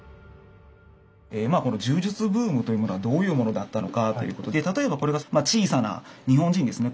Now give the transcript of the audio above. まあこの柔術ブームというものはどういうものだったのかということで例えばこれがまあ小さな日本人ですね